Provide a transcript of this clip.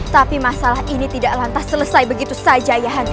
tapi masalah ini tidak lantas selesai begitu saja yahan